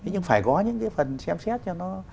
nhưng phải có những cái phần xem xét cho nó